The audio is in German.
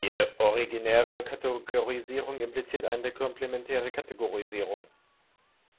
Jede originäre Kategorisierung impliziert eine komplementäre Kategorisierung.